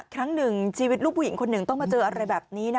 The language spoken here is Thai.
ครั้งหนึ่งชีวิตลูกผู้หญิงคนหนึ่งต้องมาเจออะไรแบบนี้นะ